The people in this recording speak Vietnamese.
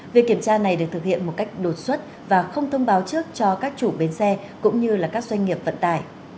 việc kiểm tra này được thực hiện một cách đột xuất và không thông báo trước cho các chủ bến xe cũng như các doanh nghiệp vận tải